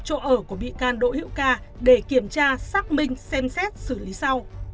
chỗ ở của bị can đỗ hữu ca để kiểm tra xác minh xem xét xử lý sau